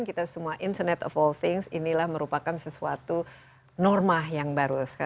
kita semua internet of all things inilah merupakan sesuatu norma yang baru